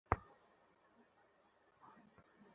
কেউ কেউ কষ্ট দিয়ে হাসে, আবার কেউ কেউ কষ্ট পেয়ে হাসে।